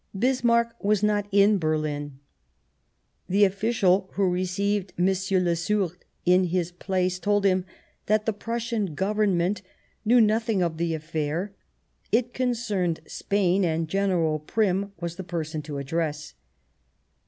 Bismarck was not in Berlin. The official who received M. Le Sourd in his place told him that the Prussian Government knew nothing of the affair ; it concerned Spain, and General Prim was the person to address.